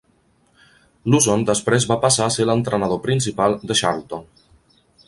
Luzon després va passar a ser l'entrenador principal de Charlton.